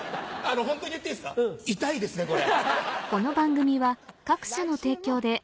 ホントに言っていいですか痛いですねこれ。